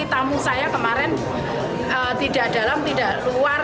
tamu saya kemarin tidak dalam tidak keluar